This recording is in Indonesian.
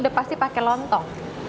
dia pasti pakai lontong